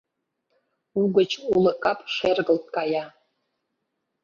Угыч уло кап шергылт кая.